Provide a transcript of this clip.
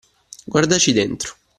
Guardaci dentro.